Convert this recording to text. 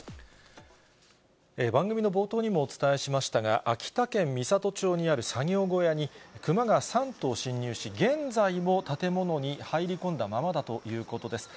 番組の冒頭にもお伝えしましたが、秋田県美郷町にある作業小屋に、クマが３頭侵入し、現在も建物に入り込んだままだということです。